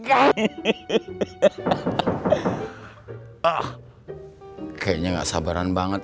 kayaknya ga sabaran banget